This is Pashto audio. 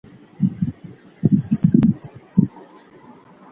په قلم لیکنه کول د وخت د ضایع کیدو مخه نیسي.